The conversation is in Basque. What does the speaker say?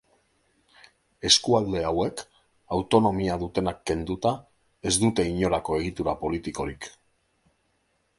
Eskualde hauek, autonomia dutenak kenduta, ez dute inolako egitura politikorik.